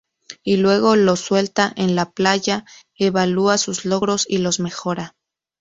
Y luego los suelta en la playa, evalúa sus logros y los mejora.